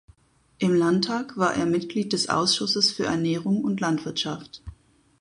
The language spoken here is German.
Im Landtag war er Mitglied des Ausschusses für Ernährung und Landwirtschaft.